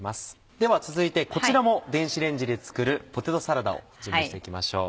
では続いてこちらも電子レンジで作るポテトサラダを準備していきましょう。